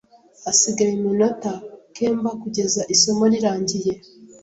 Hasigaye iminota kemba kugeza isomo rirangiye.